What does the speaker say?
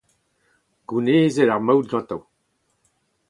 Gounezet ar maout gante.